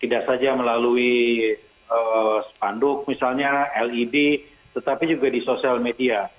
tidak saja melalui spanduk misalnya led tetapi juga di sosial media